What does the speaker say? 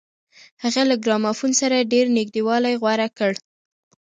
هغه له ګرامافون سره ډېر نږدېوالی غوره کړ